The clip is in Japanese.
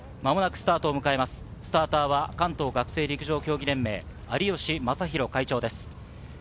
スターターは関東学生陸上競技連盟・有吉正博会長です。